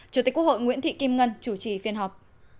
chủ tịch quốc hội nguyễn thị kim ngân chủ trì phiên họp